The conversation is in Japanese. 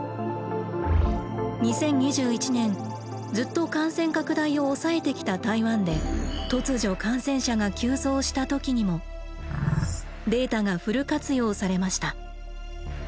２０２１年ずっと感染拡大を抑えてきた台湾で突如感染者が急増した時にもデータがフル活用されました。